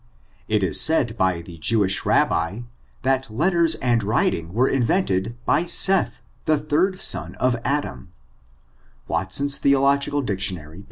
It is said by the Jewish Rabbi that letters and writing were invented by Seth^ the third son of Adanu — Watsoris Theologioal DicUam ary, p.